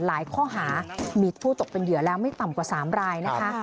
ข้อหามีผู้ตกเป็นเหยื่อแล้วไม่ต่ำกว่า๓รายนะคะ